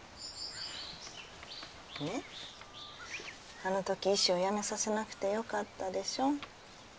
あの時石を辞めさせなくてよかったでしょ？